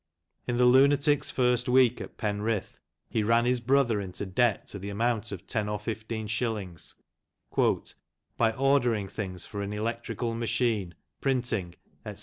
In the lunatic's first week at Penrith he ran his brother into debt to the amount of ten or fifteen shilhngs "by ordering things for an electrical machine, printing," etc.